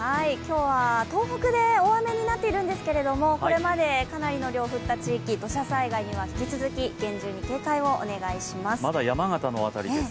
これまで東北で雨になっているんですが、これまでかなりの量、降った地域、土砂災害には引き続き厳重に警戒をお願いします。